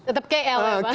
tetap kl ya pak